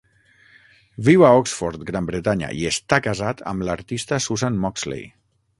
Viu a Oxford, Gran Bretanya, i està casat amb l"artista Susan Moxley.